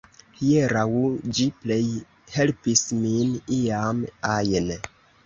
Hieraŭ, ĝi plej helpis min iam ajn